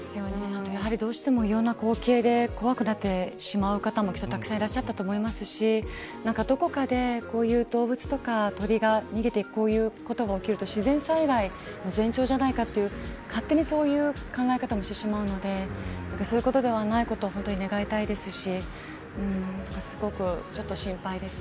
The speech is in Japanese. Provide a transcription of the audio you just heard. どうしてもいろんな光景で怖くなってしまう方もたくさんいらっしゃったと思いますしどこかでこういう動物とか鳥が逃げていくことが起きると自然災害の前兆じゃないかと勝手にそういう考え方もしてしまうのでそういうことではないことを本当に願いたいですしすごく心配です。